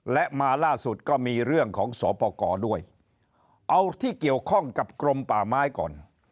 และมาล่าสุดก็มีเรื่องของสอปกรด้วยเอาที่เกี่ยวข้องกับกรมป่าไม้ก่อน